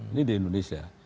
ini di indonesia